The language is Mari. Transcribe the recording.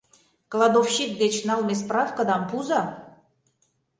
Кладовщик деч налме справкыдам пуыза.